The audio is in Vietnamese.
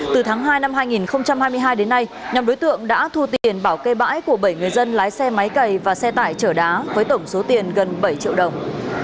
từ tháng hai năm hai nghìn hai mươi hai đến nay nhóm đối tượng đã thu tiền bảo kê bãi của bảy người dân lái xe máy cầy và xe tải chở đá với tổng số tiền gần bảy triệu đồng